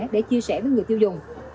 để chia sẻ với người tiêu dùng